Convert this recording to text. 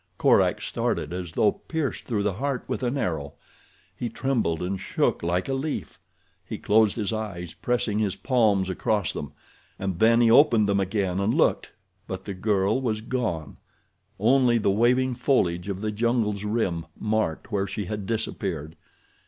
Korak started as though pierced through the heart with an arrow. He trembled and shook like a leaf. He closed his eyes, pressing his palms across them, and then he opened them again and looked but the girl was gone—only the waving foliage of the jungle's rim marked where she had disappeared.